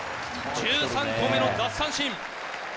１３個目の奪三振。